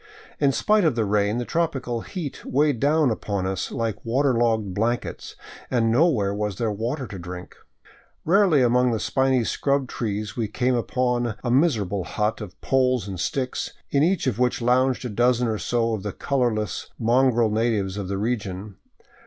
In spite of the rain the tropical heat weighed down upon us like water logged blankets, and nowhere was there water to drink. Rarely among the spiny scrub trees we came upon a miserable hut of poles and sticks, in each of which lounged a dozen or so of the colorless, mongrel natives of the region.